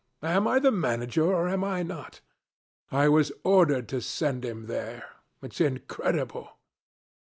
Am I the manager or am I not? I was ordered to send him there. It's incredible.'